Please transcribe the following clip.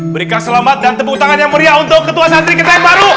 berikan selamat dan tepuk tangan yang meriah untuk ketua santri kita yang baru